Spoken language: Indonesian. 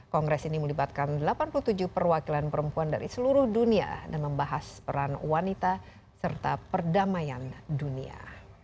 kongres ini melibatkan delapan puluh tujuh perwakilan perempuan dari seluruh dunia dan membahas peran wanita serta perdamaian dunia